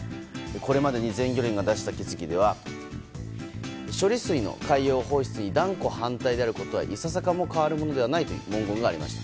これまでに全漁連が出した決議では処理水の海洋放出に断固反対であることはいささかも変わるものではないという文言がありました。